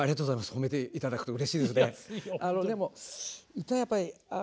褒めて頂くとうれしいですね。